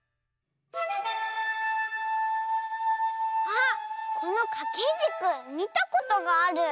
あっこのかけじくみたことがある。